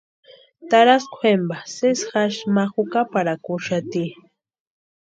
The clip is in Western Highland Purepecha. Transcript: Taraskwa jempa sesi jasï ma juparakwa úxaati.